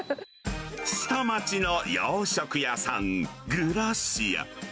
下町の洋食屋さん、グラシア。